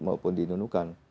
maupun di nunukan